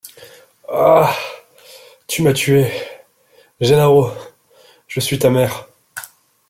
Ah!... tu m’as tuée !— Gennaro ! je suis ta mère !